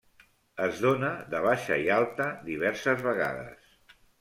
Es dóna de baixa i alta diverses vegades.